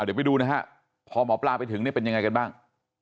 เดี๋ยวไปดูนะฮะพอหมอปลาไปถึงเนี่ยเป็นยังไงกันบ้าง